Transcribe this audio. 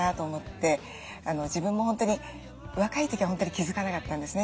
自分も本当に若い時は本当に気付かなかったんですね。